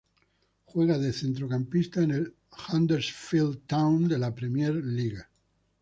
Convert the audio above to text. Juega de centrocampista en el Huddersfield Town de la Premier League.